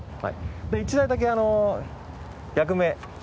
で１台だけ逆目。